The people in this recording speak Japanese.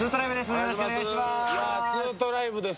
よろしくお願いします。